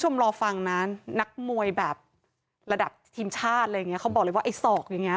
รอฟังนะนักมวยแบบระดับทีมชาติอะไรอย่างเงี้เขาบอกเลยว่าไอ้ศอกอย่างเงี้